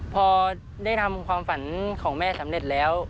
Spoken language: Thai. พอได้ทำความฝันของแม่สำเร็จแล้ว